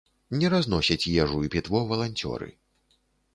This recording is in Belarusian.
Не разносяць ежу і пітво валанцёры.